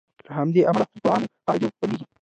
له همدې امله حقوق په عامو قاعدو بدلیږي.